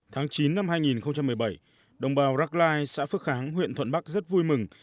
tháng chín năm hai nghìn một mươi bảy đồng bào rackline xã phước kháng huyện thuận bắc rất vui mừng